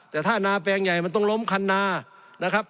แต่ถ้านาแปลงใหญ่มันต้องล้มคันนานะครับ